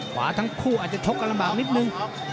ขวาทั้งคู่อาจจะชกกันลำบากนิดนึง